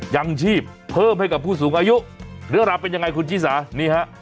ยังชีพเพิ่มให้กับผู้สูงอายุเรื่องราวเป็นยังไงคุณชิสานี่ฮะ